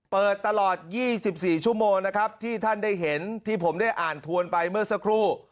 เปิดตลอด๒๔ชั่วโมงนะครับที่ท่านได้เห็นที่ผมได้อ่านทวนไปเมื่อสักครู่